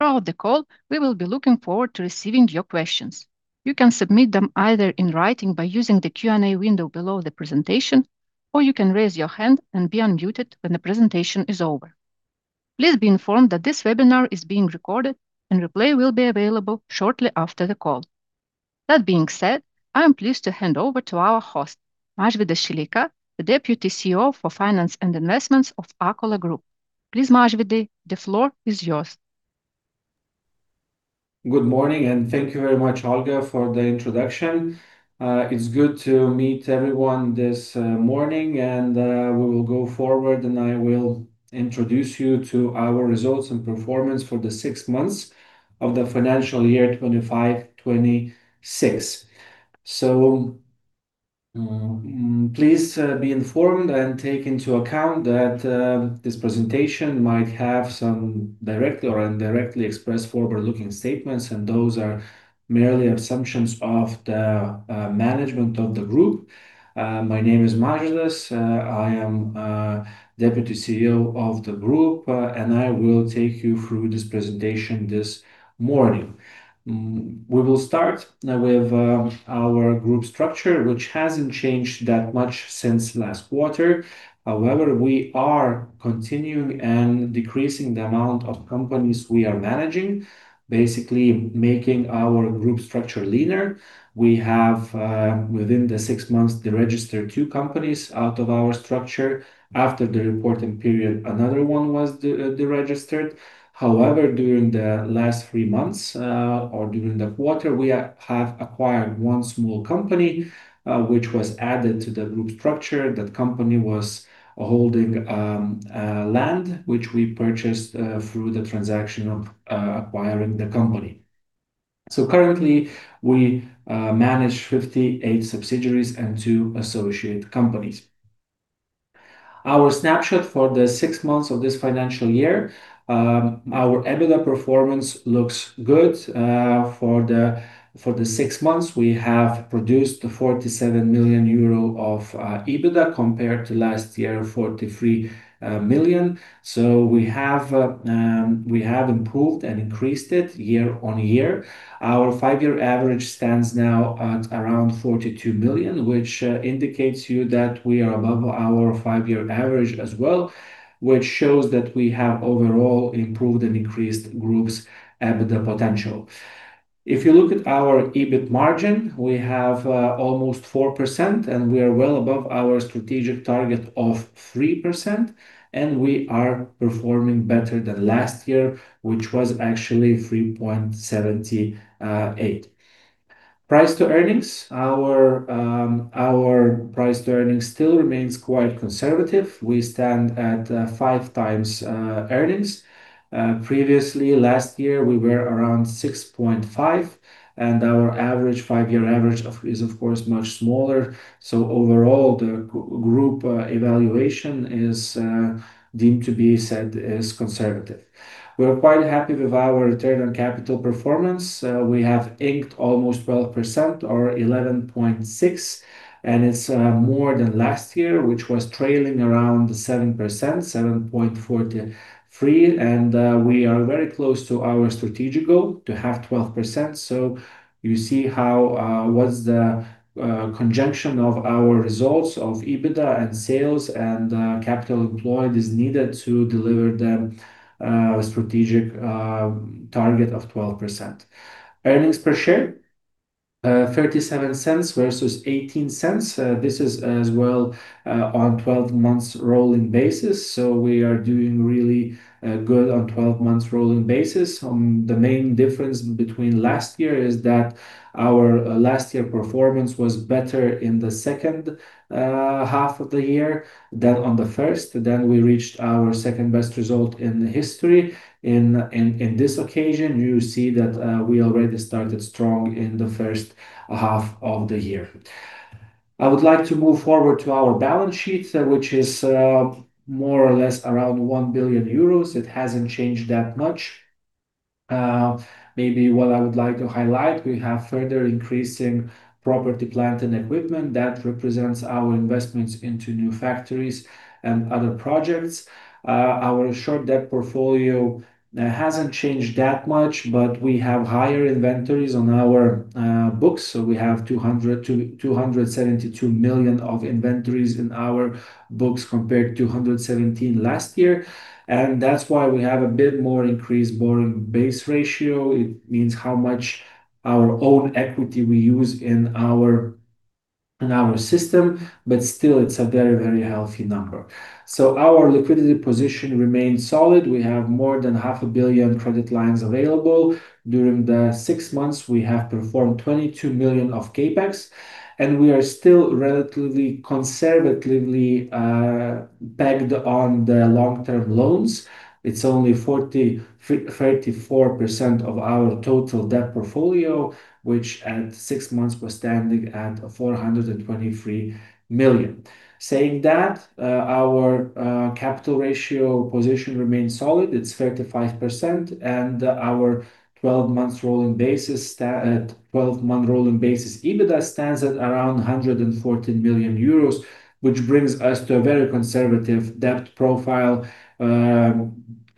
Throughout the call, we will be looking forward to receiving your questions. You can submit them either in writing by using the Q&A window below the presentation, or you can raise your hand and be unmuted when the presentation is over. Please be informed that this webinar is being recorded, and replay will be available shortly after the call. That being said, I am pleased to hand over to our host, Mažvydas Šileika, the Deputy CEO for Finance and Investments of Akola Group. Please, Mažvydas, the floor is yours. Good morning, and thank you very much, Olga, for the introduction. It's good to meet everyone this morning, and we will go forward, and I will introduce you to our results and performance for the six months of the financial year 2025, 2026. So, please be informed and take into account that this presentation might have some directly or indirectly expressed forward-looking statements, and those are merely assumptions of the management of the group. My name is Mažvydas. I am Deputy CEO of the group, and I will take you through this presentation this morning. We will start now with our group structure, which hasn't changed that much since last quarter. However, we are continuing and decreasing the amount of companies we are managing, basically making our group structure leaner. We have, within the six months, de-registered two companies out of our structure. After the reporting period, another one was de-registered. However, during the last three months, or during the quarter, we have acquired one small company, which was added to the group structure. That company was holding land, which we purchased through the transaction of acquiring the company. Currently, we manage 58 subsidiaries and two associate companies. Our snapshot for the six months of this financial year, our EBITDA performance looks good. For the six months, we have produced 47 million euro of EBITDA compared to last year, 43 million. We have improved and increased it year-on-year. Our five-year average stands now at around 42 million, which indicates you that we are above our five-year average as well, which shows that we have overall improved and increased group's EBITDA potential. If you look at our EBIT margin, we have almost 4%, and we are well above our strategic target of 3%, and we are performing better than last year, which was actually 3.78%. Price to earnings. Our price to earnings still remains quite conservative. We stand at 5x earnings. Previously, last year, we were around 6.5x, and our average, five-year average is, of course, much smaller. So overall, the group evaluation is deemed to be said is conservative. We're quite happy with our return on capital performance. We have achieved almost 12% or 11.6%, and it's more than last year, which was trailing around 7%, 7.43, and we are very close to our strategic goal to have 12%. So you see how was the conjunction of our results of EBITDA and sales and capital employed is needed to deliver the strategic target of 12%. Earnings per share, 0.37 versus 0.18. This is as well on 12 months rolling basis. So we are doing really good on 12 months rolling basis. The main difference between last year is that our last year performance was better in the second half of the year than on the first. Then we reached our second-best result in history. In this occasion, you see that we already started strong in the first half of the year. I would like to move forward to our balance sheet, which is more or less around 1 billion euros. It hasn't changed that much. Maybe what I would like to highlight, we have further increasing property, plant, and equipment that represents our investments into new factories and other projects. Our short debt portfolio hasn't changed that much, but we have higher inventories on our books. So we have 200-272 million of inventories in our books, compared to 117 million last year, and that's why we have a bit more increased borrowing base ratio. It means how much our own equity we use in our system, but still it's a very, very healthy number. So our liquidity position remains solid. We have more than 500 million credit lines available. During the six months, we have performed 22 million of CapEx, and we are still relatively conservatively backed on the long-term loans. It's only 34% of our total debt portfolio, which at six months was standing at 423 million. Saying that, our capital ratio position remains solid, it's 35%, and our 12-month rolling basis EBITDA stands at around 114 million euros, which brings us to a very conservative debt profile.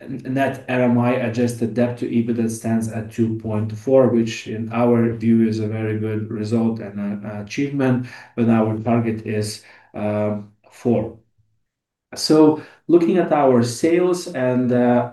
Net RMI adjusted debt to EBITDA stands at 2.4, which in our view, is a very good result and an achievement, and our target is 4.... So looking at our sales and the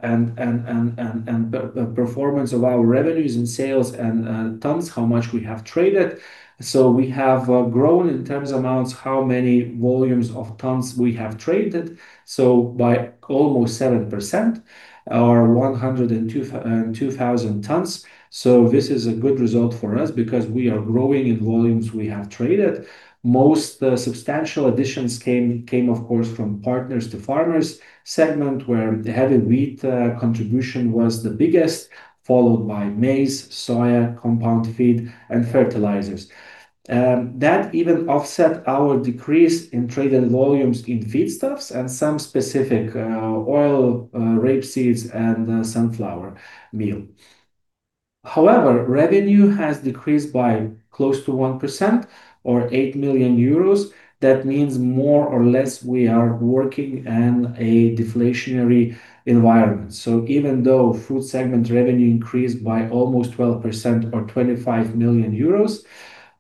performance of our revenues and sales and tons, how much we have traded. So we have grown in terms of amounts, how many volumes of tons we have traded, so by almost 7% or 102,000 tons. So this is a good result for us because we are growing in volumes we have traded. Most substantial additions came, of course, from Partners for Farmers segment, where the heavy wheat contribution was the biggest, followed by maize, soya, compound feed and fertilizers. That even offset our decrease in traded volumes in feedstuffs and some specific oil rapeseeds and sunflower meal. However, revenue has decreased by close to 1% or 8 million euros. That means more or less we are working in a deflationary environment. Even though food segment revenue increased by almost 12% or 25 million euros,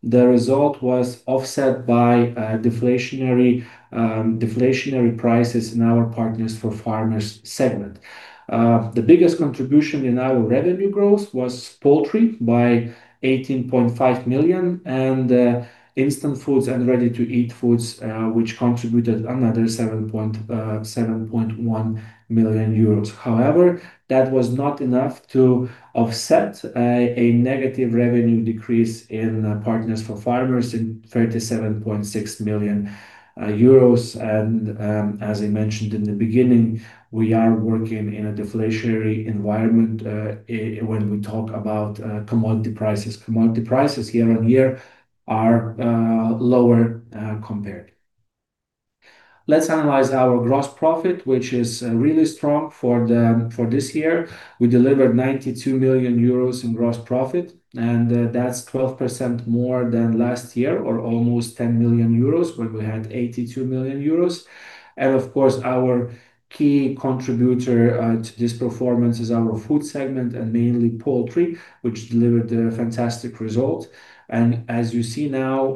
the result was offset by deflationary prices in our Partners for Farmers segment. The biggest contribution in our revenue growth was poultry by 18.5 million, and instant foods and ready-to-eat foods, which contributed another 7.1 million euros. However, that was not enough to offset a negative revenue decrease in Partners for Farmers in 37.6 million euros. As I mentioned in the beginning, we are working in a deflationary environment when we talk about commodity prices. Commodity prices year on year are lower compared. Let's analyze our gross profit, which is really strong for the... For this year. We delivered 92 million euros in gross profit, and that's 12% more than last year, or almost 10 million euros, when we had 82 million euros. Of course, our key contributor to this performance is our food segment, and mainly poultry, which delivered a fantastic result. As you see now,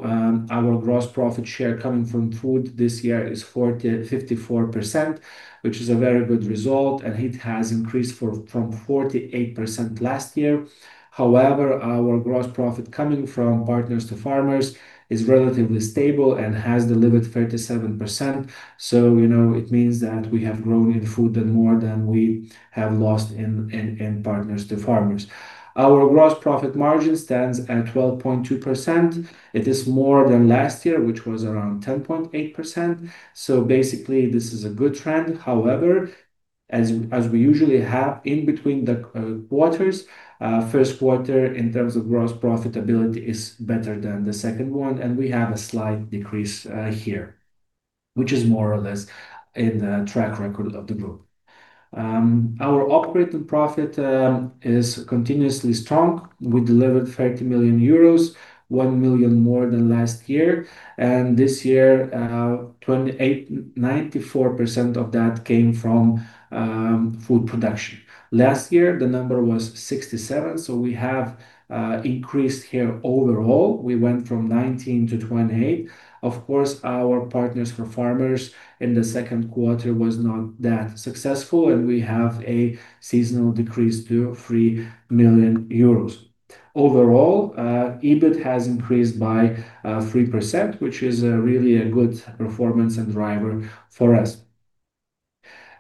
our gross profit share coming from food this year is 40%-54%, which is a very good result, and it has increased from 48% last year. However, our gross profit coming from Partners for Farmers is relatively stable and has delivered 37%. So, you know, it means that we have grown in food and more than we have lost in Partners for Farmers. Our gross profit margin stands at 12.2%. It is more than last year, which was around 10.8%. So basically, this is a good trend. However, as we usually have in between the quarters, Q1, in terms of gross profitability, is better than the second one, and we have a slight decrease here, which is more or less in the track record of the group. Our operating profit is continuously strong. We delivered 30 million euros, 1 million more than last year, and this year, twenty-eight. 94% of that came from food production. Last year, the number was 67, so we have increased here. Overall, we went from 19 to 28. Of course, our Partners for Farmers in the Q2 was not that successful, and we have a seasonal decrease to 3 million euros. Overall, EBIT has increased by 3%, which is really a good performance and driver for us.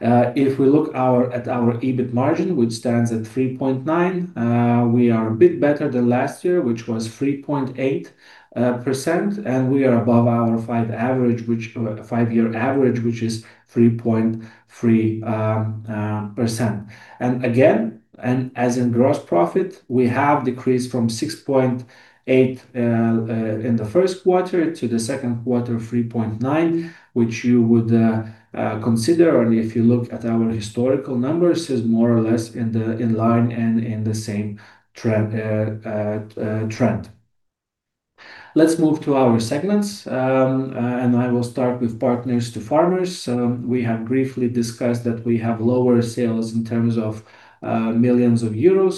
If we look at our EBIT margin, which stands at 3.9%, we are a bit better than last year, which was 3.8%, and we are above our five-year average, which is 3.3%. And again, as in gross profit, we have decreased from 6.8% in the Q1 to the Q2, 3.9%, which you would consider, and if you look at our historical numbers, is more or less in line and in the same trend. Let's move to our segments, and I will start with Partners for Farmers. We have briefly discussed that we have lower sales in terms of millions of EUR,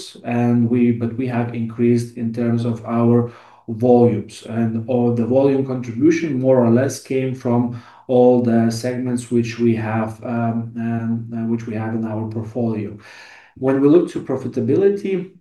but we have increased in terms of our volumes. And/or the volume contribution, more or less came from all the segments which we have, and which we have in our portfolio. When we look to profitability,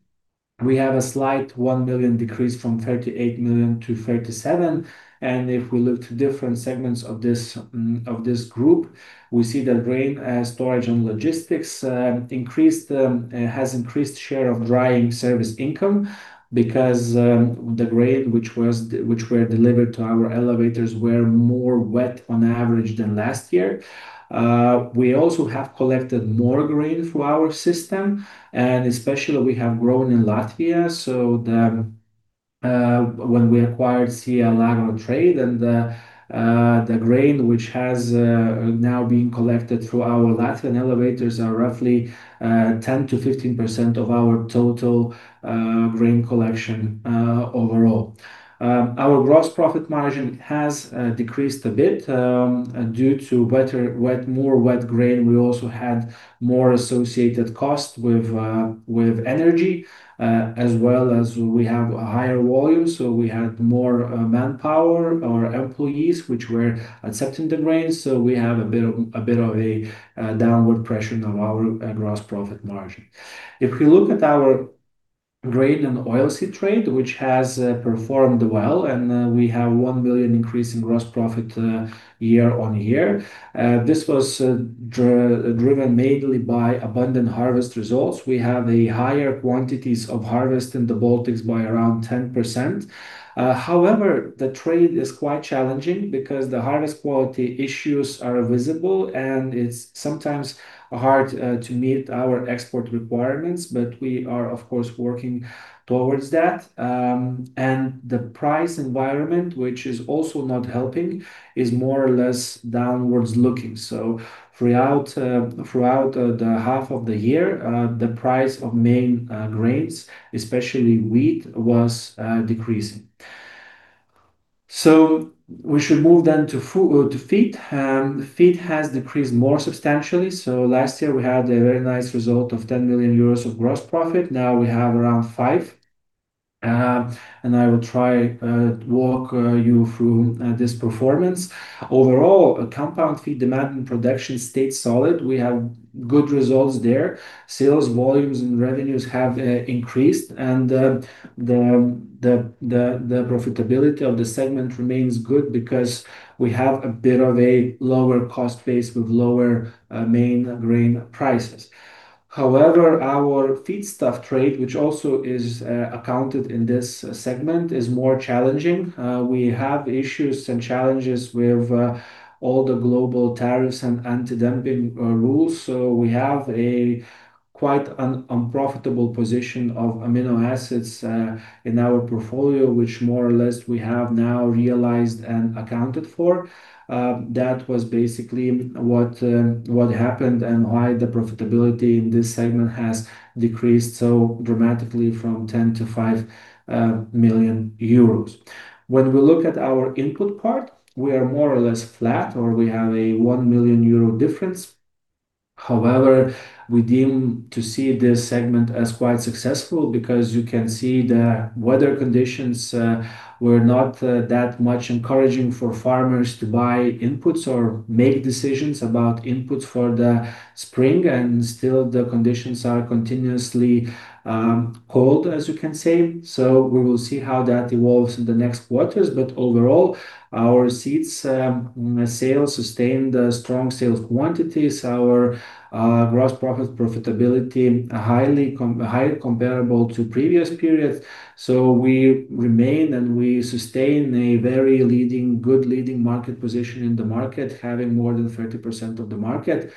we have a slight 1 million decrease from 38 million to 37 million. And if we look to different segments of this, of this group, we see that grain, storage and logistics, increased, has increased share of drying service income because, the grain which was, which were delivered to our elevators were more wet on average than last year. We also have collected more grain through our system, and especially we have grown in Latvia. So the, when we acquired Elagro Trade and the, the grain, which has, now being collected through our Latvian elevators, are roughly, 10%-15% of our total, grain collection, overall. Our gross profit margin has decreased a bit due to more wet grain. We also had more associated costs with energy as well as we have a higher volume, so we had more manpower, our employees, which were accepting the grain. So we have a bit of a downward pressure on our gross profit margin. If we look at grain and oilseed trade, which has performed well, and we have 1 billion increase in gross profit year-on-year. This was driven mainly by abundant harvest results. We have higher quantities of harvest in the Baltics by around 10%. However, the trade is quite challenging because the harvest quality issues are visible, and it's sometimes hard to meet our export requirements, but we are, of course, working towards that. And the price environment, which is also not helping, is more or less downward looking. So throughout the half of the year, the price of main grains, especially wheat, was decreasing. So we should move then to feed. Feed has decreased more substantially. So last year we had a very nice result of 10 million euros of gross profit. Now we have around 5 million, and I will try to walk you through this performance. Overall, compound feed demand and production stayed solid. We have good results there. Sales volumes and revenues have increased, and the profitability of the segment remains good because we have a bit of a lower cost base with lower main grain prices. However, our feedstuff trade, which also is accounted in this segment, is more challenging. We have issues and challenges with all the global tariffs and anti-dumping rules, so we have a quite unprofitable position of amino acids in our portfolio, which more or less we have now realized and accounted for. That was basically what happened and why the profitability in this segment has decreased so dramatically from 10 million-5 million euros. When we look at our input part, we are more or less flat, or we have a 1 million euro difference. However, we deem to see this segment as quite successful because you can see the weather conditions were not that much encouraging for farmers to buy inputs or make decisions about inputs for the spring, and still the conditions are continuously cold, as you can say. So we will see how that evolves in the next quarters. But overall, our seeds sales sustained strong sales quantities, our gross profit profitability highly comparable to previous periods. So we remain and we sustain a very leading, good leading market position in the market, having more than 30% of the market.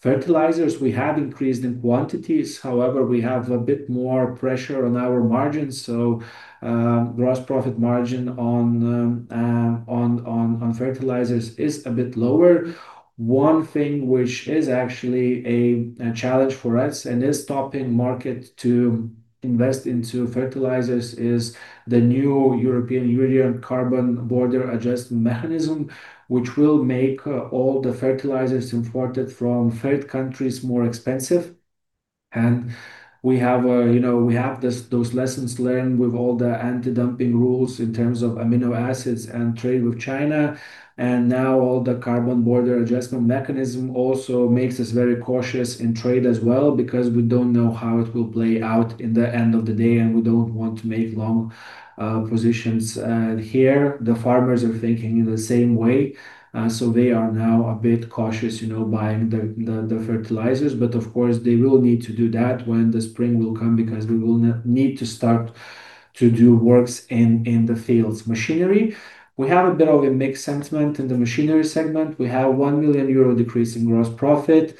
Fertilizers, we have increased in quantities. However, we have a bit more pressure on our margins, so gross profit margin on fertilizers is a bit lower. One thing which is actually a challenge for us and is stopping market to invest into fertilizers is the new European Union Carbon Border Adjustment Mechanism, which will make all the fertilizers imported from third countries more expensive. And we have, you know, we have this- those lessons learned with all the anti-dumping rules in terms of amino acids and trade with China, and now all the Carbon Border Adjustment Mechanism also makes us very cautious in trade as well, because we don't know how it will play out in the end of the day, and we don't want to make long positions. Here, the farmers are thinking in the same way, so they are now a bit cautious, you know, buying the, the, the fertilizers. But of course, they will need to do that when the spring will come, because we will need to start to do works in the fields. Machinery, we have a bit of a mixed sentiment in the machinery segment. We have 1 million euro decrease in gross profit.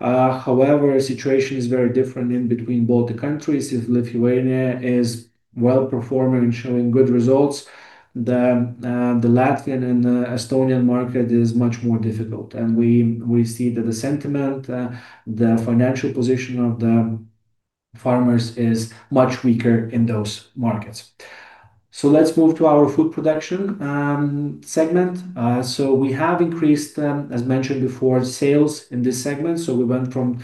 However, situation is very different in between both the countries. If Lithuania is well-performing and showing good results, the Latvian and the Estonian market is much more difficult, and we see that the sentiment, the financial position of the farmers is much weaker in those markets. So let's move to our food production segment. So we have increased, as mentioned before, sales in this segment, so we went from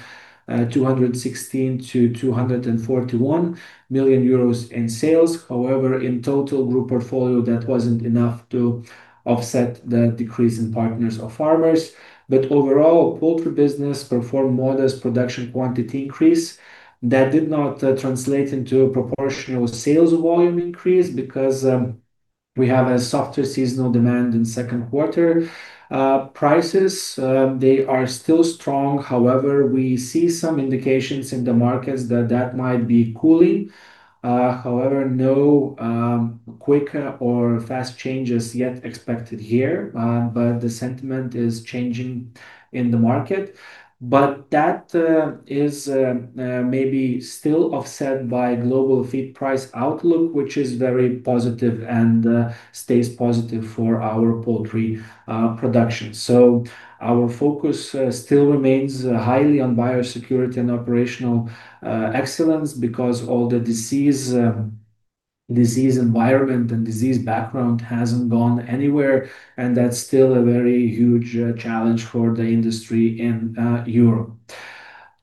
216 million to 241 million euros in sales. However, in total group portfolio, that wasn't enough to offset the decrease in Partners for Farmers. But overall, poultry business performed modest production quantity increase. That did not translate into a proportional sales volume increase because we have a softer seasonal demand in Q2. Prices, they are still strong. However, we see some indications in the markets that that might be cooling. However, no quick or fast changes yet expected here, but the sentiment is changing in the market. But that is maybe still offset by global feed price outlook, which is very positive and stays positive for our poultry production. So our focus still remains highly on biosecurity and operational excellence because all the disease environment and disease background hasn't gone anywhere, and that's still a very huge challenge for the industry in Europe.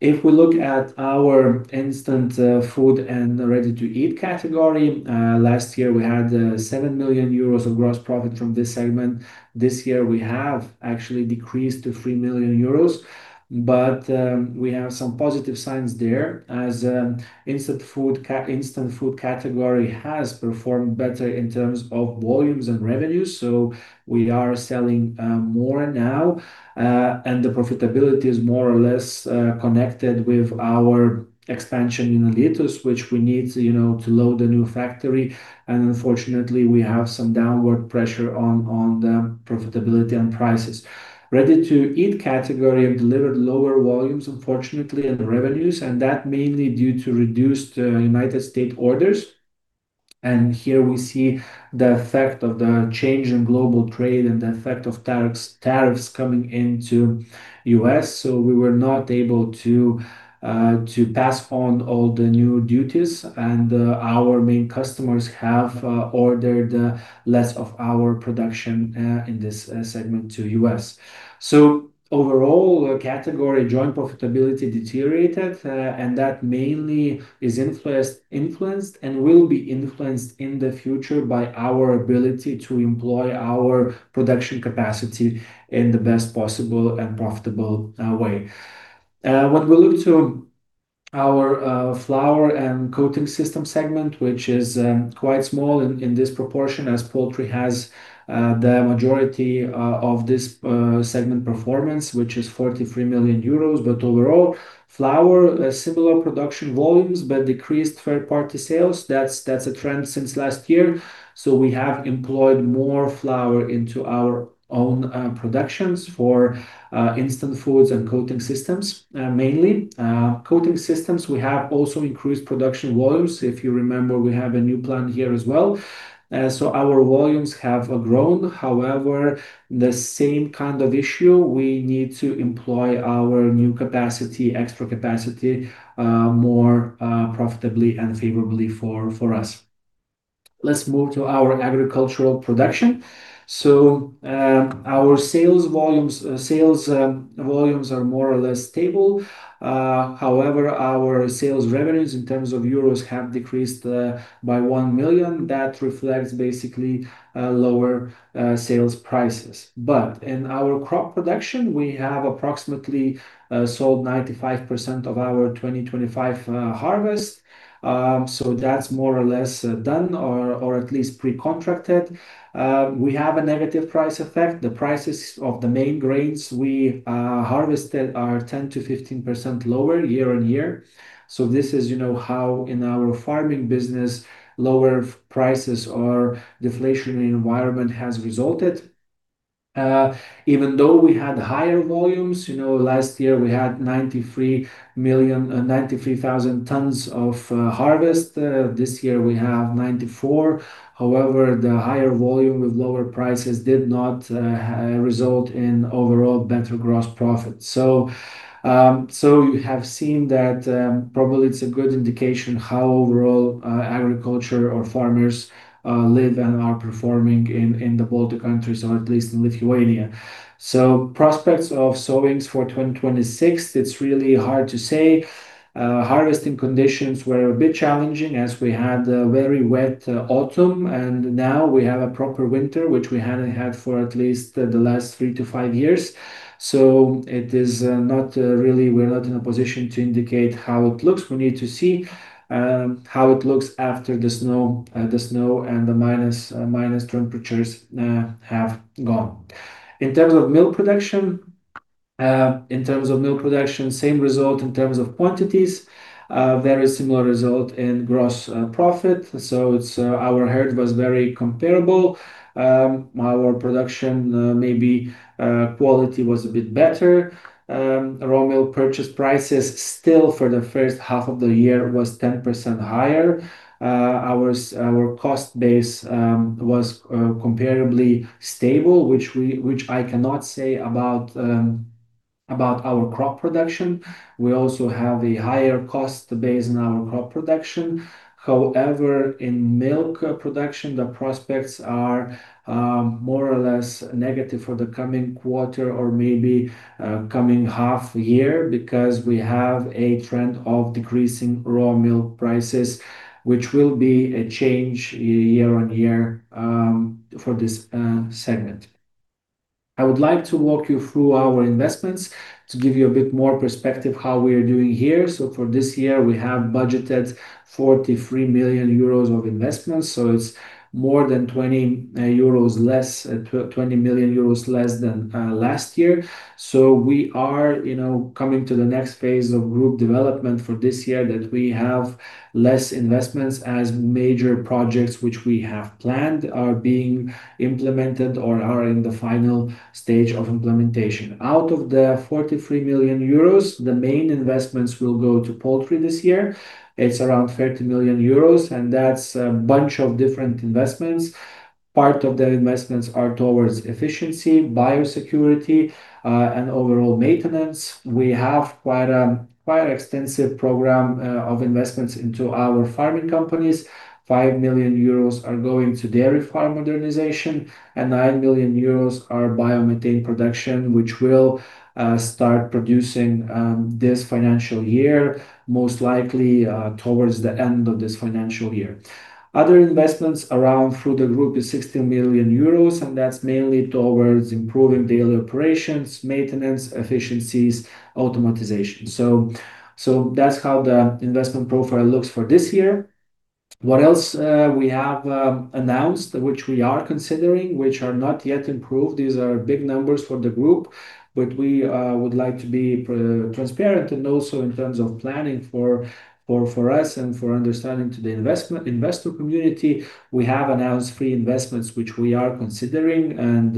If we look at our instant food and ready-to-eat category, last year we had 7 million euros of gross profit from this segment. This year, we have actually decreased to 3 million euros, but we have some positive signs there as instant food category has performed better in terms of volumes and revenues. So we are selling more now, and the profitability is more or less connected with our expansion in Alytus, which we need, you know, to load the new factory, and unfortunately, we have some downward pressure on the profitability and prices. Ready-to-eat category have delivered lower volumes, unfortunately, and revenues, and that mainly due to reduced United States orders. And here we see the effect of the change in global trade and the effect of tariffs, tariffs coming into U.S. So we were not able to to pass on all the new duties, and our main customers have ordered less of our production in this segment to U.S. So overall, category joint profitability deteriorated, and that mainly is influenced, influenced and will be influenced in the future by our ability to employ our production capacity in the best possible and profitable way. When we look to our flour and coating system segment, which is quite small in this proportion, as poultry has the majority of this segment performance, which is 43 million euros. But overall, flour, similar production volumes, but decreased third-party sales, that's a trend since last year. So we have employed more flour into our own productions for instant foods and coating systems. Mainly, coating systems, we have also increased production volumes. If you remember, we have a new plant here as well. So our volumes have grown. However, the same kind of issue, we need to employ our new capacity, extra capacity, more profitably and favorably for us. Let's move to our agricultural production. So, our sales volumes are more or less stable. However, our sales revenues in terms of euros have decreased by 1 million. That reflects basically lower sales prices. But in our crop production, we have approximately sold 95% of our 2025 harvest. So that's more or less done or at least pre-contracted. We have a negative price effect. The prices of the main grains we harvested are 10%-15% lower year-on-year. So this is, you know, how in our farming business, lower prices or deflationary environment has resulted. Even though we had higher volumes, you know, last year we had 93,000 tons of harvest. This year we have 94. However, the higher volume with lower prices did not result in overall better gross profit. So you have seen that probably it's a good indication how overall agriculture or farmers live and are performing in the Baltic countries, or at least in Lithuania. So prospects of sowings for 2026, it's really hard to say. Harvesting conditions were a bit challenging as we had a very wet autumn, and now we have a proper winter, which we hadn't had for at least the last 3-5 years. So it is not really. We're not in a position to indicate how it looks. We need to see how it looks after the snow, the snow and the minus, minus temperatures have gone. In terms of milk production, in terms of milk production, same result in terms of quantities, very similar result in gross profit. So it's our herd was very comparable. Our production, maybe, quality was a bit better. Raw milk purchase prices, still for the first half of the year, was 10% higher. Our cost base was comparably stable, which I cannot say about our crop production. We also have a higher cost base in our crop production. However, in milk production, the prospects are more or less negative for the coming quarter or maybe coming half year, because we have a trend of decreasing raw milk prices, which will be a change year on year for this segment. I would like to walk you through our investments to give you a bit more perspective how we are doing here. So for this year, we have budgeted 43 million euros of investments, so it's more than 20 million euros less than last year. So we are, you know, coming to the next phase of group development for this year, that we have less investments as major projects which we have planned, are being implemented or are in the final stage of implementation. Out of the 43 million euros, the main investments will go to poultry this year. It's around 30 million euros, and that's a bunch of different investments, part of their investments are towards efficiency, biosecurity, and overall maintenance. We have quite, quite extensive program, of investments into our farming companies. 5 million euros are going to dairy farm modernization, and 9 million euros are biomethane production, which will, start producing, this financial year, most likely, towards the end of this financial year. Other investments around through the group is 60 million euros, and that's mainly towards improving daily operations, maintenance, efficiencies, automation. So that's how the investment profile looks for this year. What else we have announced, which we are considering, which are not yet approved? These are big numbers for the group, but we would like to be transparent, and also in terms of planning for us and for understanding to the investor community. We have announced three investments, which we are considering, and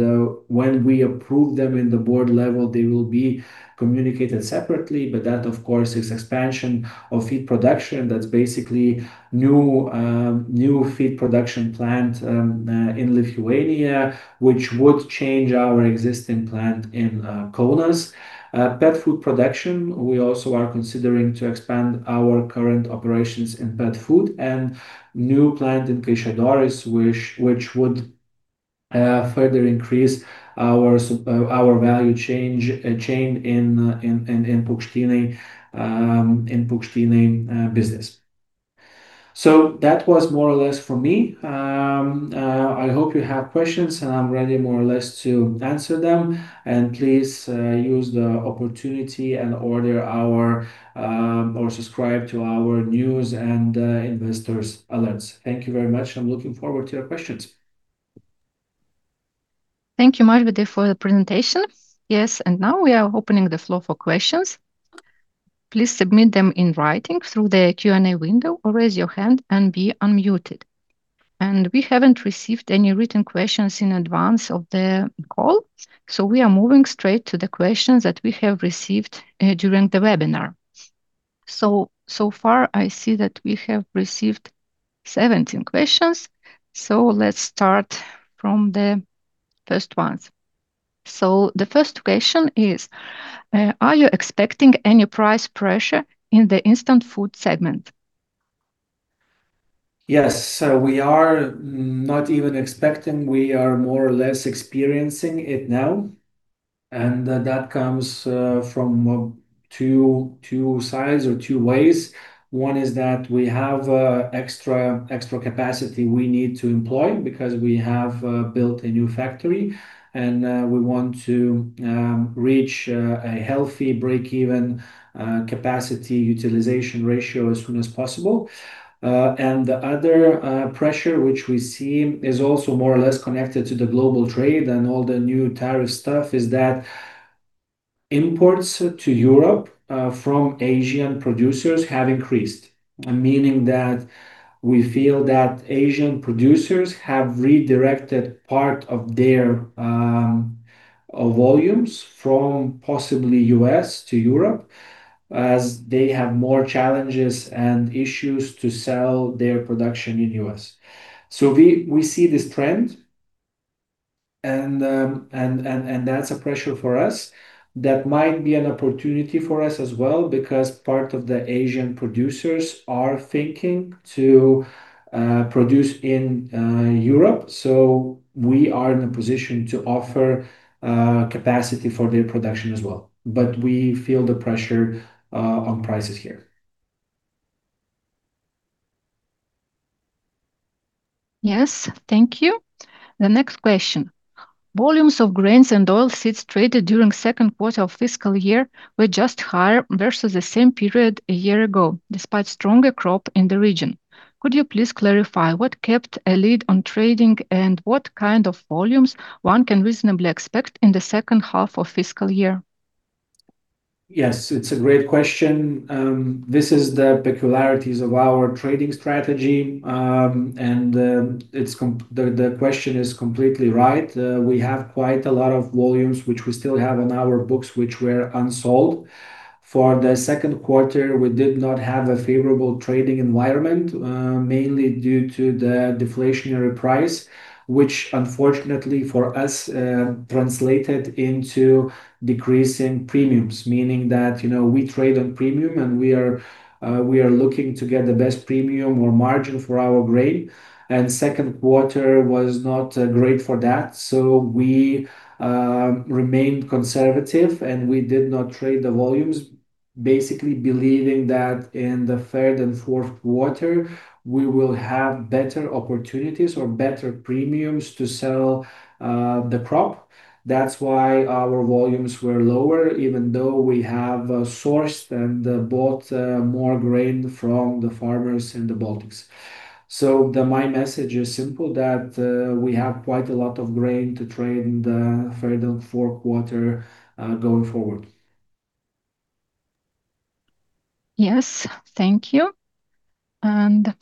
when we approve them in the board level, they will be communicated separately. But that, of course, is expansion of feed production. That's basically new feed production plant in Lithuania, which would change our existing plant in Kaunas. Pet food production, we also are considering to expand our current operations in pet food and new plant in Kėdainiai, which would further increase our value chain in poultry business. So that was more or less for me. I hope you have questions, and I'm ready more or less to answer them. And please use the opportunity and order our or subscribe to our news and investors alerts. Thank you very much, and I'm looking forward to your questions. Thank you, Mažvydas, for the presentation. Yes, now we are opening the floor for questions. Please submit them in writing through the Q&A window, or raise your hand and be unmuted. We haven't received any written questions in advance of the call, so we are moving straight to the questions that we have received during the webinar. So far, I see that we have received 17 questions, so let's start from the first ones. The first question is: Are you expecting any price pressure in the instant food segment? Yes, we are not even expecting, we are more or less experiencing it now, and that comes from two, two sides or two ways. One is that we have extra, extra capacity we need to employ because we have built a new factory, and we want to reach a healthy break-even capacity utilization ratio as soon as possible. And the other pressure, which we see, is also more or less connected to the global trade and all the new tariff stuff, is that imports to Europe from Asian producers have increased, meaning that we feel that Asian producers have redirected part of their volumes from possibly U.S. to Europe, as they have more challenges and issues to sell their production in U.S. So we see this trend, and that's a pressure for us. That might be an opportunity for us as well, because part of the Asian producers are thinking to produce in Europe. So we are in a position to offer capacity for their production as well, but we feel the pressure on prices here. Yes. Thank you. The next question: Volumes of grains and oilseeds traded during Q2 of fiscal year were just higher versus the same period a year ago, despite stronger crop in the region. Could you please clarify what kept a lid on trading, and what kind of volumes one can reasonably expect in the second half of fiscal year? Yes, it's a great question. This is the peculiarities of our trading strategy, and the question is completely right. We have quite a lot of volumes, which we still have on our books, which were unsold. For the Q2, we did not have a favorable trading environment, mainly due to the deflationary price, which, unfortunately, for us, translated into decreasing premiums, meaning that, you know, we trade on premium, and we are looking to get the best premium or margin for our grain, and Q2 was not great for that. So we remained conservative, and we did not trade the volumes, basically believing that in the third and Q4, we will have better opportunities or better premiums to sell the crop. That's why our volumes were lower, even though we have sourced and bought more grain from the farmers in the Baltics. So my message is simple, that we have quite a lot of grain to trade in the third and Q4, going forward. Yes. Thank you, and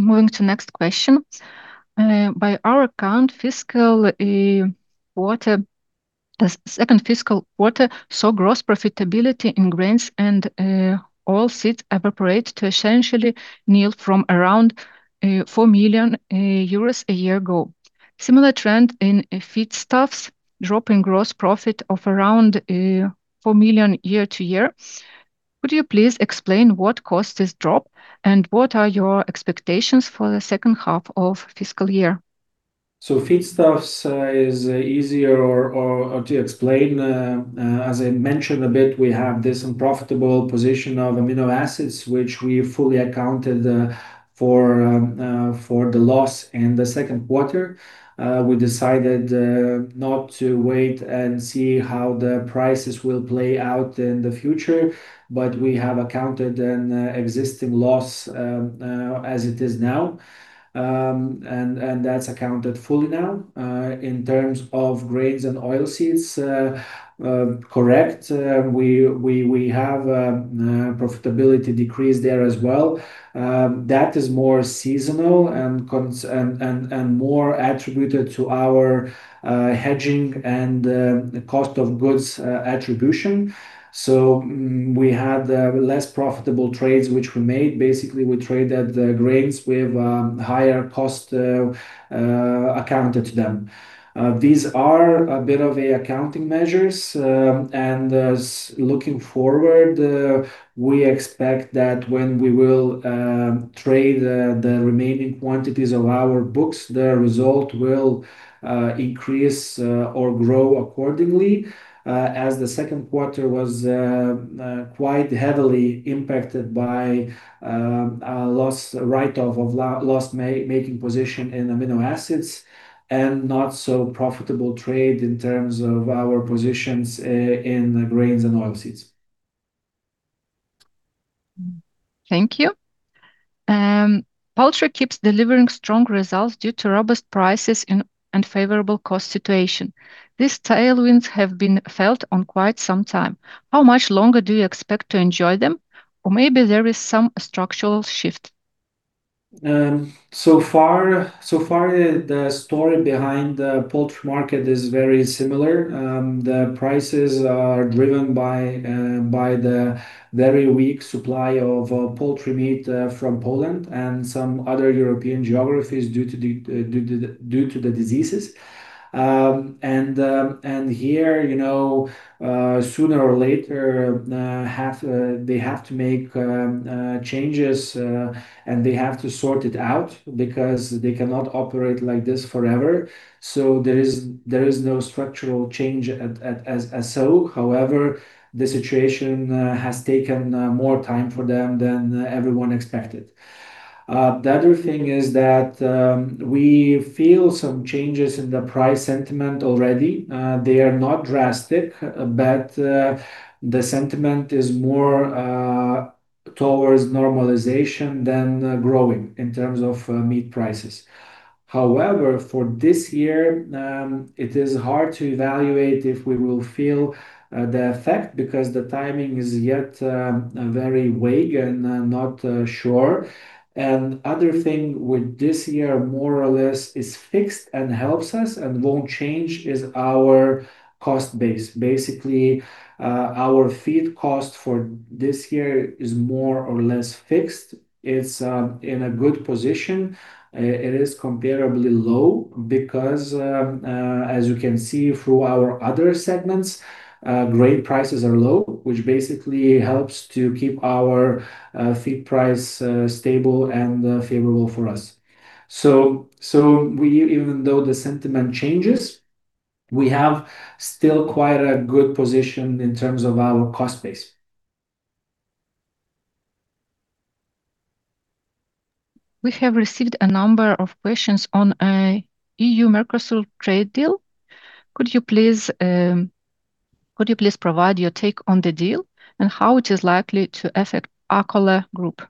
moving to next question. By our account, fiscal quarter. The second fiscal quarter saw gross profitability in grains and oilseeds evaporate to essentially nil from around 4 million euros a year ago. Similar trend in feedstuffs, drop in gross profit of around 4 million year-over-year. Could you please explain what caused this drop, and what are your expectations for the second half of fiscal year? So feedstuffs is easier to explain. As I mentioned a bit, we have this unprofitable position of amino acids, which we fully accounted for the loss in the Q2. We decided not to wait and see how the prices will play out in the future, but we have accounted an existing loss as it is now. And that's accounted fully now. In terms of grains and oilseeds, correct, we have profitability decreased there as well. That is more seasonal and more attributed to our hedging and the cost of goods attribution. So we had less profitable trades, which we made. Basically, we traded the grains with higher cost accounted to them. These are a bit of a accounting measures. As looking forward, we expect that when we will trade the remaining quantities of our books, the result will increase or grow accordingly. As the Q2 was quite heavily impacted by write-off of loss-making position in amino acids, and not so profitable trade in terms of our positions in grains and oilseeds. Thank you. Poultry keeps delivering strong results due to robust prices and favorable cost situation. These tailwinds have been felt for quite some time. How much longer do you expect to enjoy them? Or maybe there is some structural shift. So far, the story behind the poultry market is very similar. The prices are driven by the very weak supply of poultry meat from Poland and some other European geographies due to the diseases. And here, you know, sooner or later they have to make changes, and they have to sort it out because they cannot operate like this forever. So there is no structural change as so. However, the situation has taken more time for them than everyone expected. The other thing is that we feel some changes in the price sentiment already. They are not drastic, but the sentiment is more towards normalization than growing in terms of meat prices. However, for this year, it is hard to evaluate if we will feel the effect because the timing is yet very vague and not sure. And other thing with this year, more or less is fixed and helps us and won't change, is our cost base. Basically, our feed cost for this year is more or less fixed. It's in a good position. It is comparably low because, as you can see through our other segments, grain prices are low, which basically helps to keep our feed price stable and favorable for us. So, even though the sentiment changes, we have still quite a good position in terms of our cost base. We have received a number of questions on EU-Mercosur trade deal. Could you please provide your take on the deal and how it is likely to affect Akola Group?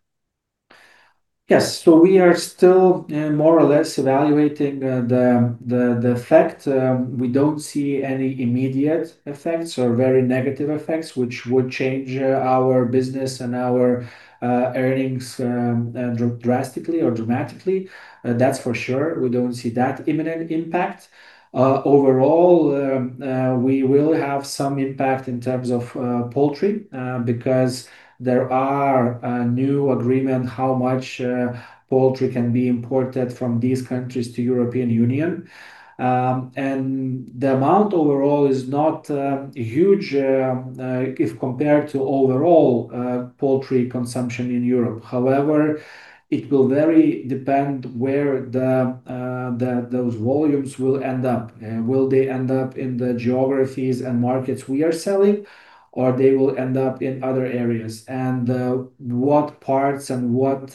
Yes. So we are still, more or less evaluating, the effect. We don't see any immediate effects or very negative effects, which would change, our business and our, earnings, drastically or dramatically. That's for sure, we don't see that imminent impact. Overall, we will have some impact in terms of, poultry, because there are a new agreement, how much, poultry can be imported from these countries to European Union. And the amount overall is not, huge, if compared to overall, poultry consumption in Europe. However, it will very depend where the, those volumes will end up. Will they end up in the geographies and markets we are selling, or they will end up in other areas? What parts and what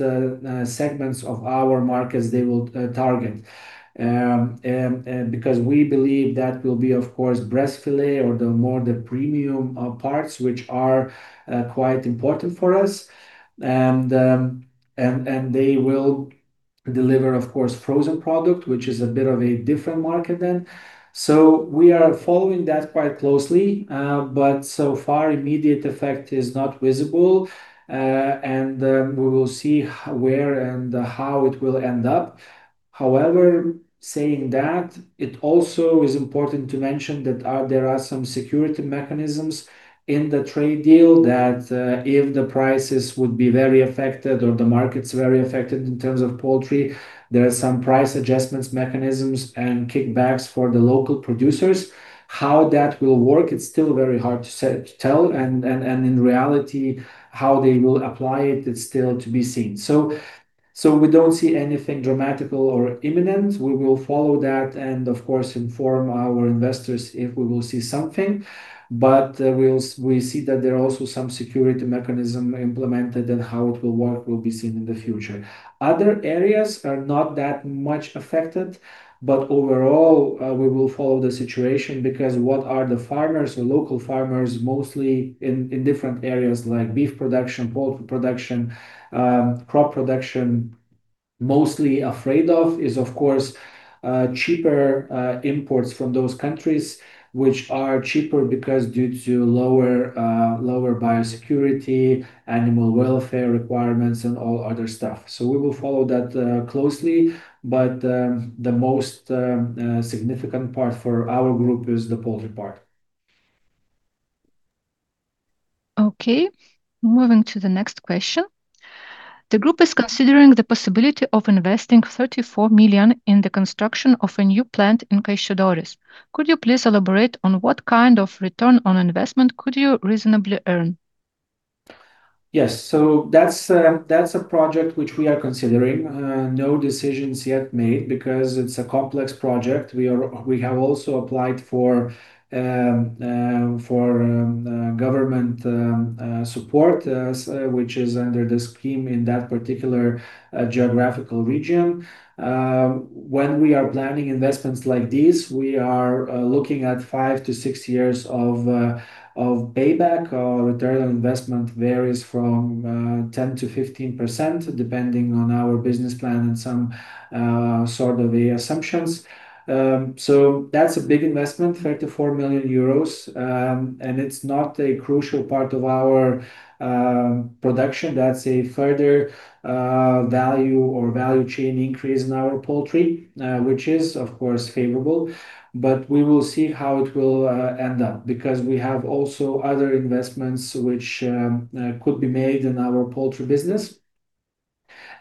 segments of our markets they will target? And because we believe that will be, of course, breast fillet or the more the premium parts, which are quite important for us. And they will deliver, of course, frozen product, which is a bit of a different market than. So we are following that quite closely, but so far, immediate effect is not visible. And we will see where and how it will end up. However, saying that, it also is important to mention that there are some security mechanisms in the trade deal, that if the prices would be very affected or the market's very affected in terms of poultry, there are some price adjustments, mechanisms, and kickbacks for the local producers. How that will work, it's still very hard to say to tell, and in reality, how they will apply it, it's still to be seen. So we don't see anything dramatic or imminent. We will follow that and, of course, inform our investors if we will see something, but we'll see that there are also some safeguard mechanisms implemented, and how it will work will be seen in the future. Other areas are not that much affected, but overall, we will follow the situation, because what the farmers, the local farmers, mostly in different areas like beef production, poultry production, crop production, mostly afraid of is, of course, cheaper imports from those countries which are cheaper because due to lower Biosecurity, animal welfare requirements, and all other stuff. So we will follow that closely, but the most significant part for our group is the poultry part. Okay, moving to the next question. The group is considering the possibility of investing 34 million in the construction of a new plant in Kaišiadorys. Could you please elaborate on what kind of return on investment could you reasonably earn? Yes. So that's a project which we are considering. No decisions yet made, because it's a complex project. We have also applied for government support, which is under the scheme in that particular geographical region. When we are planning investments like this, we are looking at 5-6 years of payback. Our return on investment varies from 10%-15%, depending on our business plan and some sort of the assumptions. So that's a big investment, 34 million euros, and it's not a crucial part of our production. That's a further value or value chain increase in our poultry, which is, of course, favorable. But we will see how it will end up, because we have also other investments which could be made in our poultry business,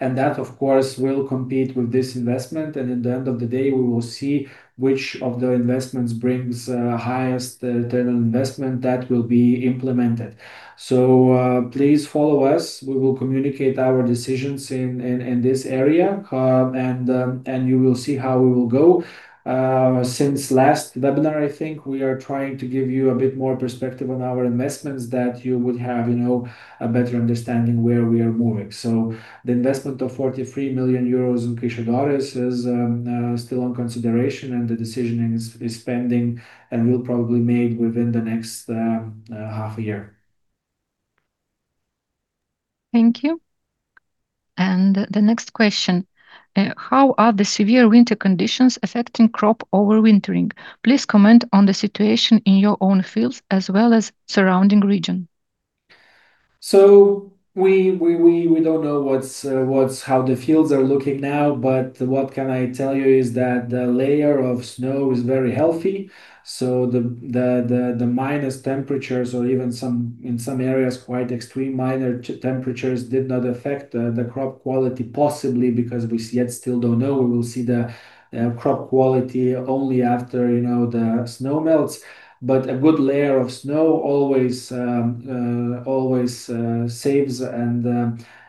and that, of course, will compete with this investment. And at the end of the day, we will see which of the investments brings highest return on investment that will be implemented. So please follow us. We will communicate our decisions in this area, and you will see how we will go. Since last webinar, I think, we are trying to give you a bit more perspective on our investments that you would have, you know, a better understanding where we are moving. The investment of 43 million euros in Kaišiadorys is still on consideration, and the decision is pending and will probably be made within the next half a year. Thank you. And the next question: how are the severe winter conditions affecting crop overwintering? Please comment on the situation in your own fields as well as surrounding region. So we don't know how the fields are looking now, but what can I tell you is that the layer of snow is very healthy, so the minus temperatures or even some in some areas quite extreme minus temperatures did not affect the crop quality, possibly because we yet still don't know. We will see the crop quality only after, you know, the snow melts. But a good layer of snow always saves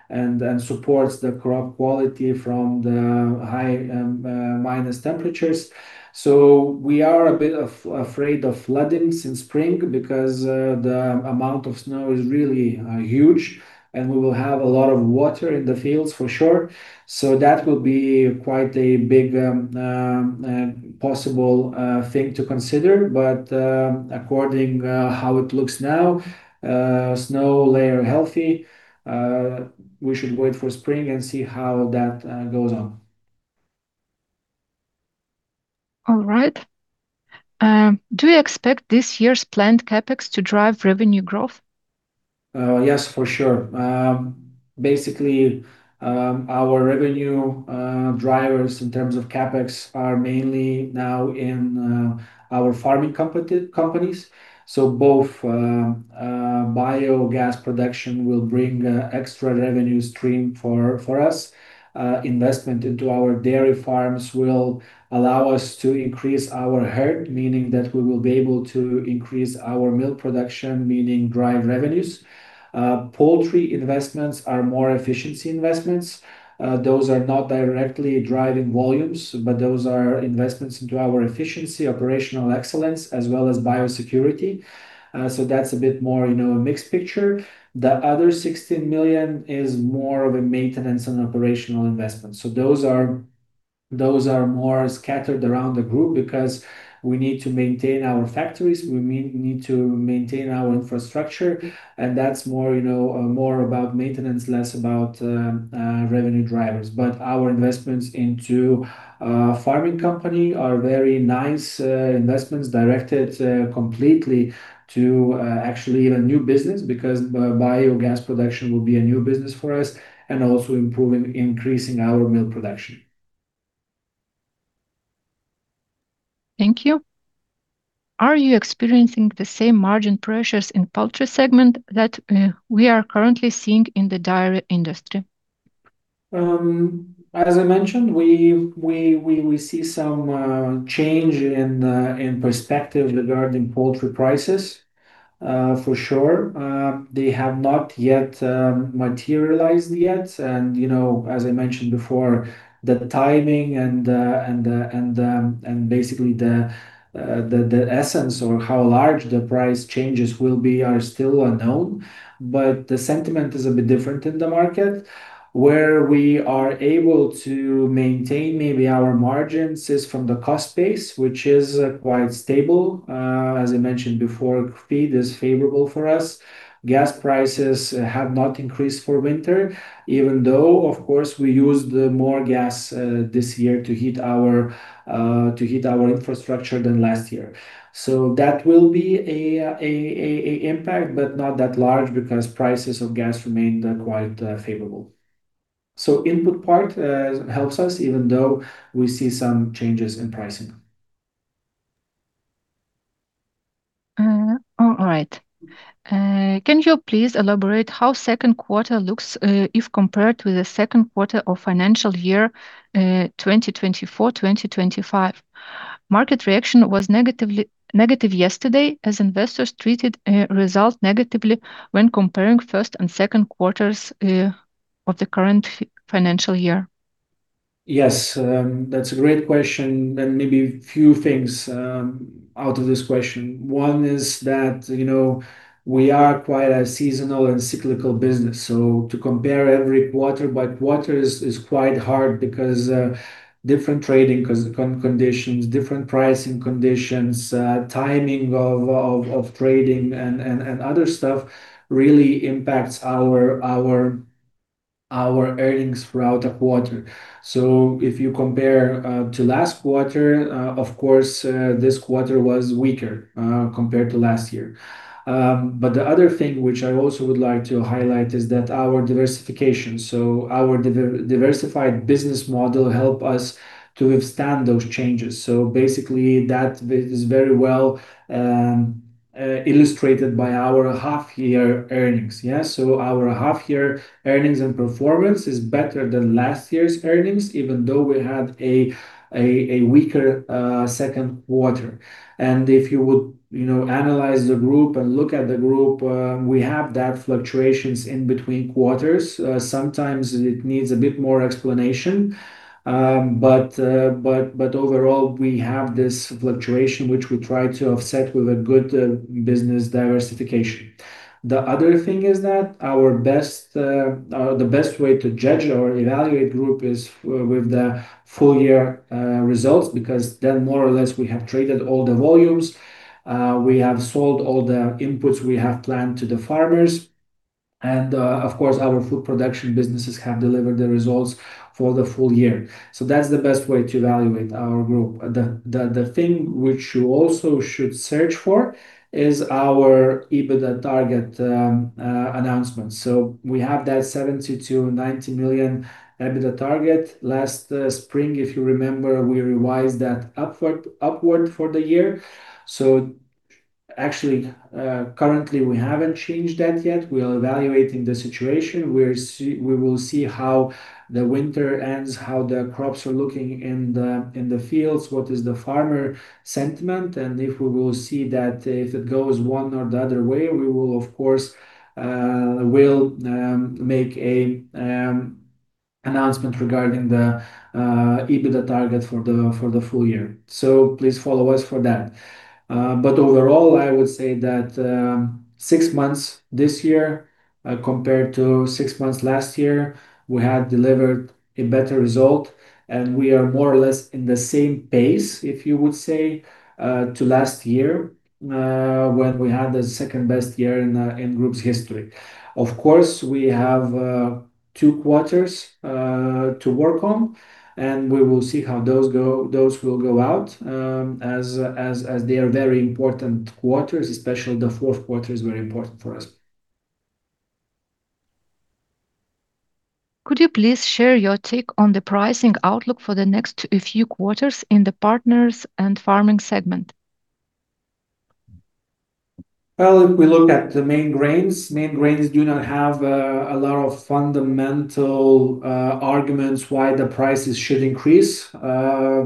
and supports the crop quality from the high minus temperatures. So we are a bit afraid of flooding in spring because the amount of snow is really huge, and we will have a lot of water in the fields for sure. So that will be quite a big possible thing to consider. But according how it looks now, snow layer healthy, we should wait for spring and see how that goes on. All right. Do you expect this year's planned CapEx to drive revenue growth? Yes, for sure. Basically, our revenue drivers in terms of CapEx are mainly now in our farming companies. So both biogas production will bring extra revenue stream for us. Investment into our dairy farms will allow us to increase our herd, meaning that we will be able to increase our milk production, meaning drive revenues. Poultry investments are more efficiency investments. Those are not directly driving volumes, but those are investments into our efficiency, operational excellence, as well as biosecurity. So that's a bit more, you know, a mixed picture. The other 16 million is more of a maintenance and operational investment. So those are more scattered around the group because we need to maintain our factories, we need to maintain our infrastructure, and that's more, you know, more about maintenance, less about revenue drivers. But our investments into farming company are very nice investments, directed completely to actually even new business, because biogas production will be a new business for us, and also improving, increasing our milk production. ... Thank you. Are you experiencing the same margin pressures in the poultry segment that we are currently seeing in the dairy industry? As I mentioned, we see some change in perspective regarding poultry prices. For sure, they have not yet materialized yet. And, you know, as I mentioned before, the timing and basically the essence or how large the price changes will be are still unknown, but the sentiment is a bit different in the market. Where we are able to maintain maybe our margins is from the cost base, which is quite stable. As I mentioned before, feed is favorable for us. Gas prices have not increased for winter, even though, of course, we used more gas this year to heat our infrastructure than last year. So that will be an impact, but not that large because prices of gas remain quite favorable. So input part helps us even though we see some changes in pricing. All right. Can you please elaborate how Q2 looks, if compared with the Q2 of financial year, 2024/2025? Market reaction was negatively—negative yesterday, as investors treated result negatively when comparing first and Q2s, of the current financial year. Yes, that's a great question, and maybe a few things out of this question. One is that, you know, we are quite a seasonal and cyclical business, so to compare every quarter by quarter is quite hard because different trading conditions, different pricing conditions, timing of trading and other stuff really impacts our earnings throughout the quarter. So if you compare to last quarter, of course, this quarter was weaker compared to last year. But the other thing which I also would like to highlight is that our diversification, so our diversified business model help us to withstand those changes. So basically, that is very well illustrated by our half-year earnings. Yeah, so our half-year earnings and performance is better than last year's earnings, even though we had a weaker Q2. And if you would, you know, analyze the group and look at the group, we have that fluctuations in between quarters. Sometimes it needs a bit more explanation, but, but overall, we have this fluctuation, which we try to offset with a good business diversification. The other thing is that our best, the best way to judge or evaluate group is with the full year results, because then more or less, we have traded all the volumes, we have sold all the inputs we have planned to the farmers, and, of course, our food production businesses have delivered the results for the full year. So that's the best way to evaluate our group. The thing which you also should search for is our EBITDA target announcement. So we have that 70-90 million EBITDA target. Last spring, if you remember, we revised that upward, upward for the year. So actually, currently, we haven't changed that yet. We are evaluating the situation. We will see how the winter ends, how the crops are looking in the fields, what is the farmer sentiment, and if we will see that if it goes one or the other way, we will of course will make a announcement regarding the EBITDA target for the full year. So please follow us for that. But overall, I would say that six months this year, compared to six months last year, we have delivered a better result, and we are more or less in the same pace, if you would say, to last year, when we had the second best year in group's history. Of course, we have two quarters to work on, and we will see how those go, those will go out, as they are very important quarters, especially the Q4 is very important for us. Could you please share your take on the pricing outlook for the next few quarters in the partners and farming segment? Well, if we look at the main grains, main grains do not have a lot of fundamental arguments why the prices should increase.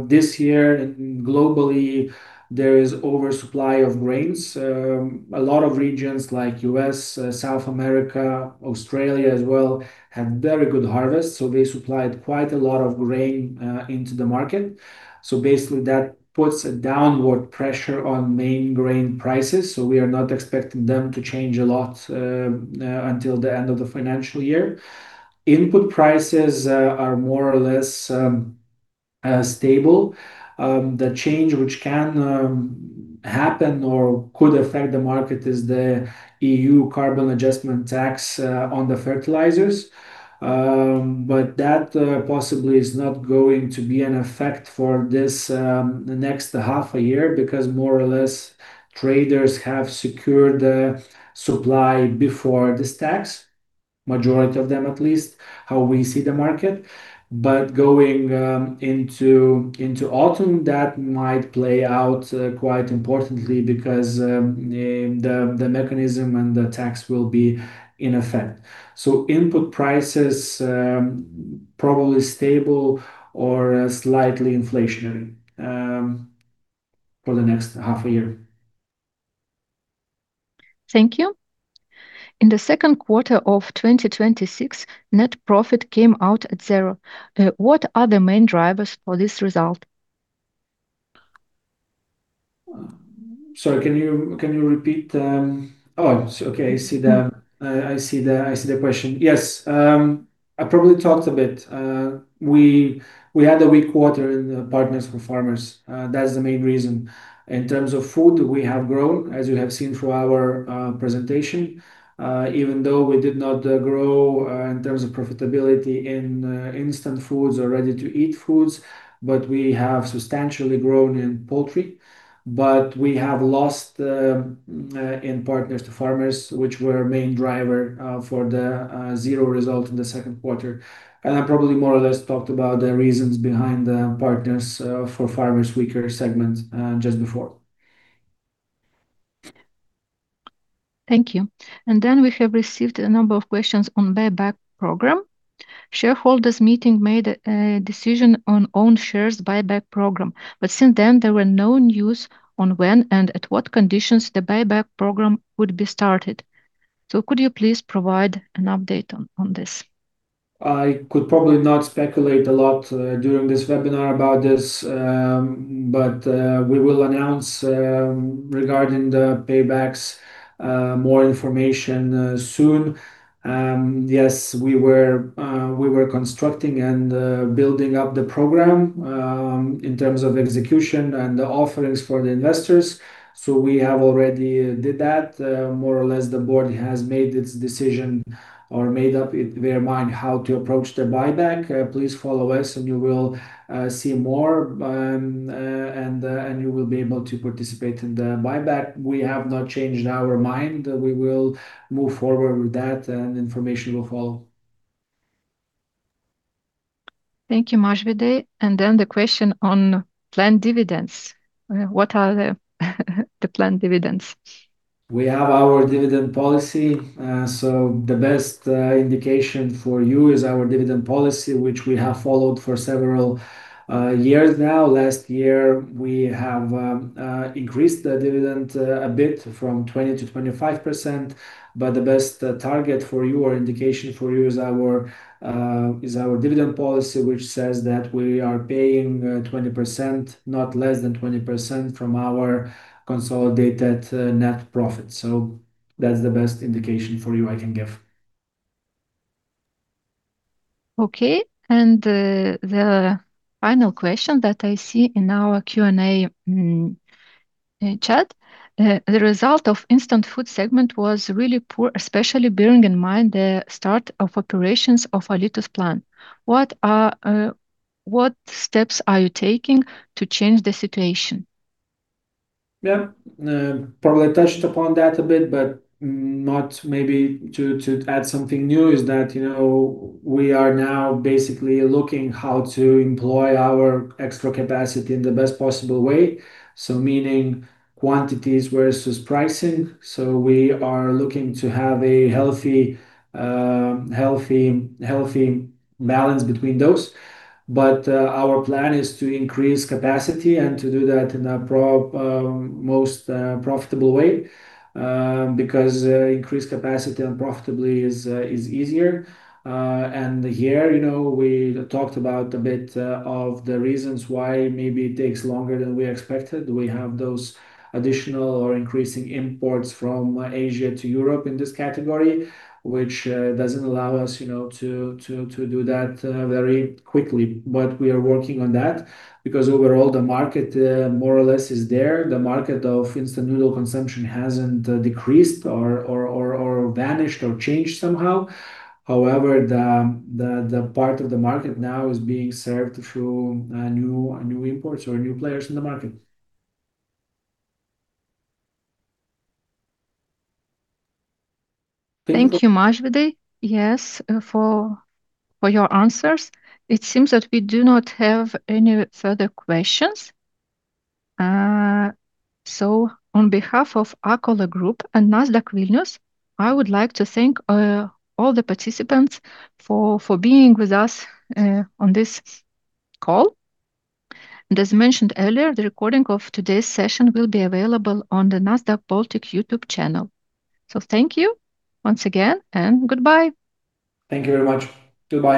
This year, and globally, there is oversupply of grains. A lot of regions like U.S., South America, Australia as well, had very good harvest, so they supplied quite a lot of grain into the market. So basically, that puts a downward pressure on main grain prices, so we are not expecting them to change a lot until the end of the financial year. Input prices are more or less stable. The change which can happen or could affect the market is the EU carbon adjustment tax on the fertilizers. But that possibly is not going to be in effect for this, the next half a year, because more or less traders have secured the supply before this tax. Majority of them, at least, how we see the market. But going into autumn, that might play out quite importantly because the mechanism and the tax will be in effect. So input prices probably stable or slightly inflationary for the next half a year. Thank you. In the Q2 of 2026, net profit came out at 0. What are the main drivers for this result? Sorry, can you repeat? Oh, okay, I see the question. Yes, I probably talked a bit. We had a weak quarter in the Partners for Farmers. That's the main reason. In terms of food, we have grown, as you have seen through our presentation, even though we did not grow in terms of profitability in instant foods or ready-to-eat foods, but we have substantially grown in poultry. But we have lost in Partners for Farmers, which were our main driver for the zero result in the Q2. And I probably more or less talked about the reasons behind the Partners for Farmers weaker segment just before. Thank you. And then we have received a number of questions on buyback program. Shareholders meeting made a decision on own shares buyback program, but since then there were no news on when and at what conditions the buyback program would be started. So could you please provide an update on this? I could probably not speculate a lot during this webinar about this, but we will announce regarding the buybacks more information soon. Yes, we were constructing and building up the program in terms of execution and the offerings for the investors, so we have already did that. More or less, the board has made its decision or made up their mind how to approach the buyback. Please follow us and you will see more, and you will be able to participate in the buyback. We have not changed our mind. We will move forward with that and information will follow. Thank you, Mažvydas. And then the question on planned dividends. What are the planned dividends? We have our dividend policy, so the best indication for you is our dividend policy, which we have followed for several years now. Last year, we have increased the dividend a bit from 20% to 25%, but the best target for you or indication for you is our dividend policy, which says that we are paying 20%, not less than 20% from our consolidated net profit. So that's the best indication for you I can give. Okay, and the final question that I see in our Q&A chat, the result of instant food segment was really poor, especially bearing in mind the start of operations of Alytus plant. What steps are you taking to change the situation? Yeah. Probably I touched upon that a bit, but not maybe to, to add something new is that, you know, we are now basically looking how to employ our extra capacity in the best possible way, so meaning quantities versus pricing. So we are looking to have a healthy, healthy balance between those. But, our plan is to increase capacity, and to do that in a pro-, most, profitable way, because, increased capacity unprofitably is, is easier. And here, you know, we talked about a bit, of the reasons why maybe it takes longer than we expected. We have those additional or increasing imports from Asia to Europe in this category, which, doesn't allow us, you know, to, to do that, very quickly. But we are working on that, because overall, the market, more or less is there. The market of instant noodle consumption hasn't decreased or vanished or changed somehow. However, the part of the market now is being served through new imports or new players in the market. Thank you, Mažvydas. Yes, for your answers. It seems that we do not have any further questions. So on behalf of Akola Group and Nasdaq Vilnius, I would like to thank all the participants for being with us on this call. And as mentioned earlier, the recording of today's session will be available on the Nasdaq Baltic YouTube channel. So thank you once again, and goodbye. Thank you very much. Goodbye.